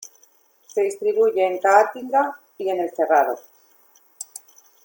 Se distribuye en Caatinga y en el Cerrado.